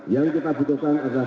yang kita butuhkan adalah